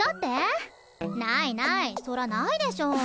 ないないそらないでしょ。